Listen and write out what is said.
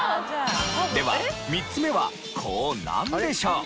では３つ目は「高」なんでしょう？